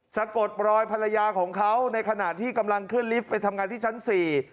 สะกดรอยภรรยาของเขาในขณะที่กำลังขึ้นลิฟต์ไปทำงานที่ชั้นสี่